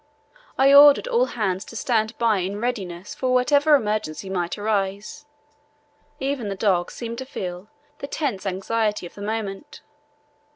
I ordered all hands to stand by in readiness for whatever emergency might arise. Even the dogs seemed to feel the tense anxiety of the moment.